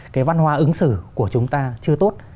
cái văn hóa ứng xử của chúng ta chưa tốt